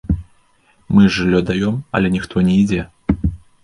Мы і жыллё даём, але ніхто не ідзе.